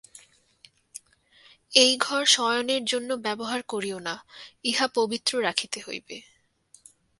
এই ঘর শয়নের জন্য ব্যবহার করিও না, ইহা পবিত্র রাখিতে হইবে।